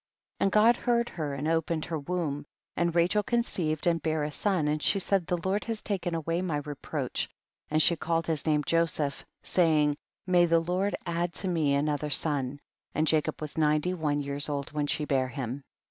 21 . And God heard her and open ed her womb, and Rachel conceived and bare a son, and she said the Lord has taken away my reproach, and she called his name Joseph, say mg, may the Lord add to me another son ; and Jacob was ninety one years old when she bare him.